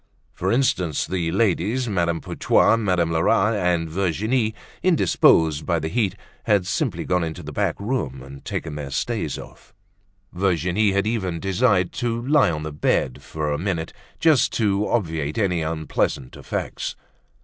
For instance, the ladies, Madame Putois, Madame Lerat, and Virginie, indisposed by the heat, had simply gone into the back room and taken their stays off; Virginie had even desired to lie on the bed for a minute, just to obviate any unpleasant effects.